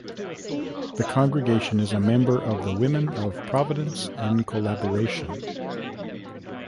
The congregation is a member of the Women of Providence in Collaboration.